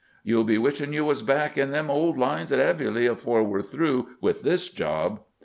"You'll be wishing you was back in them old lines at Aveluy afore we're through with this job.